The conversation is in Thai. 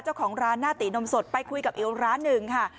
เจ้าของร้านหน้าตีนมสดไปคุยกับอีกร้านหนึ่งค่ะ